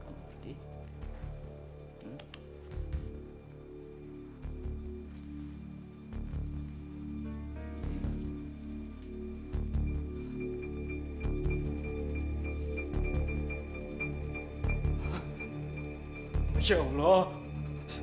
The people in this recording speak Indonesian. kamu buang jauh jauh